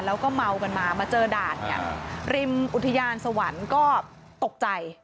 แล้วก็เมากันมามาเจอด่านเนี่ยริมอุทยานสวรรค์ก็ตกใจ